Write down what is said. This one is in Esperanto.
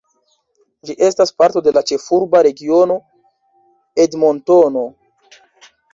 Ĝi estas parto de la Ĉefurba Regiono Edmontono.